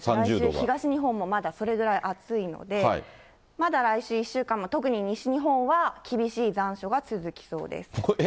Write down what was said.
東日本もまだそれぐらい暑いので、まだ来週１週間、特に西日本は厳しい残暑がえ？